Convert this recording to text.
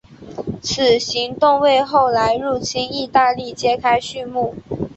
此行动为后来入侵义大利揭开续幕。